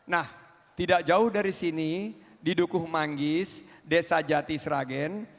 nah tidak jauh dari sini di dukuh manggis desa jati sragen